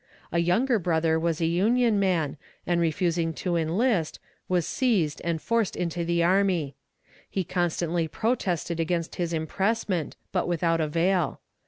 A younger brother was a Union man, and refusing to enlist, was seized and forced into the army. He constantly protested against his impressment, but without avail.